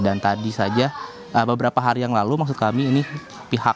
dan tadi saja beberapa hari yang lalu maksud kami ini pihak